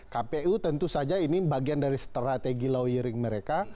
kpu tentu saja ini bagian dari strategi lawyering mereka